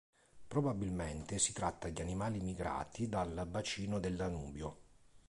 Probabilmente si tratta di animali migrati dal bacino del Danubio.